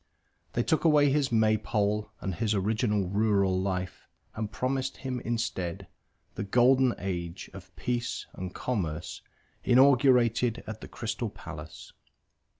They took away his maypole and his original rural life and promised him instead the Golden Age of Peace and Commerce inaugurated at the Crystal Palace.